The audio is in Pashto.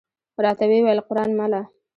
راته وې ویل: قران مله!